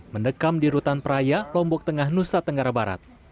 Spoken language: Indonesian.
mendekam di rutan peraya lombok tengah nusa tenggara barat